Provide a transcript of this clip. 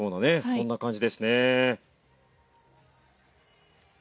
そんな感じですね。